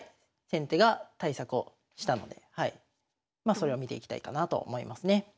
先手が対策をしたのでそれを見ていきたいかなと思いますね。